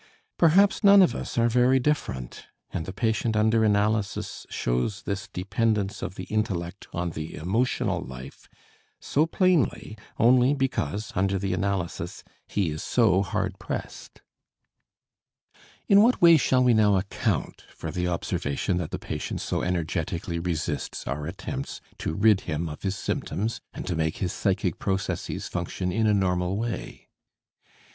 Perhaps none of us are very different, and the patient under analysis shows this dependence of the intellect on the emotional life so plainly only because, under the analysis, he is so hard pressed. In what way shall we now account for the observation that the patient so energetically resists our attempts to rid him of his symptoms and to make his psychic processes function in a normal way?